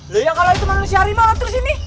lihat kalau itu manusia harimau kan terus ini